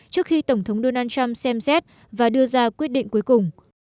trước khi tổng thống donald trump xem xét và đưa ra quyết định cuối cùng